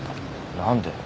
何で。